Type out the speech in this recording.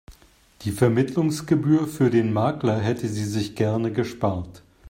Die Vermittlungsgebühr für den Makler hätte sie sich gerne gespart.